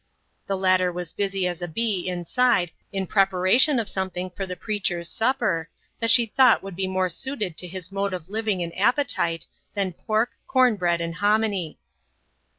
The latter was busy as a bee inside in preparation of something for the preacher's supper, that she thought would be more suited to his mode of living and appetite, than pork, corn bread, and hominy.